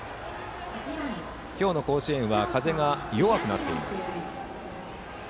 今日の甲子園は風が弱くなっています。